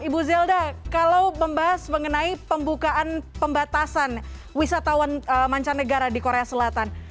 ibu zelda kalau membahas mengenai pembukaan pembatasan wisatawan mancanegara di korea selatan